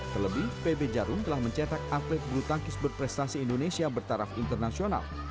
terlebih pb jarum telah mencetak atlet bulu tangkis berprestasi indonesia bertaraf internasional